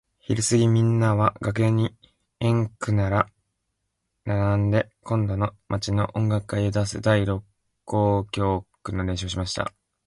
ひるすぎみんなは楽屋に円くならんで今度の町の音楽会へ出す第六交響曲の練習をしていました。